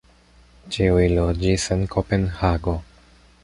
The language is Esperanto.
Ĉiuj loĝis en Kopenhago.